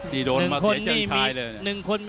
นี่โดนมาเสียเจ้าชายเลยนะครับ